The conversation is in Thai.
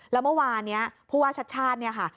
แล้วเมื่อวานนี้ผู้ว่าชัดชาติเนี่ยค่ะ